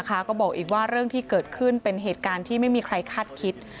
ก็บอกอีกว่าเรื่องที่เกิดขึ้นเป็นเหตุการณ์ที่ไม่มีใครคาดคิด